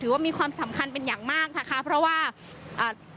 ว่ามีความสำคัญเป็นอย่างมากนะคะเพราะว่าอ่า